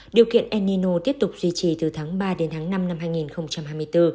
điều kiện enino tiếp tục duy trì từ tháng ba đến tháng năm năm hai nghìn hai mươi bốn